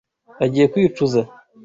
Agiye kwicuza.